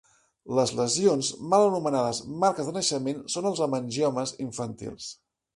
Les lesions mal anomenades marques de naixement són els hemangiomes infantils.